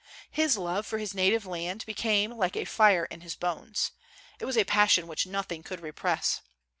His love for his native land became like a "fire in his bones;" it was a passion which nothing could repress.